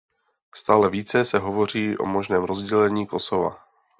Stále více se hovoří o možném rozdělení Kosova.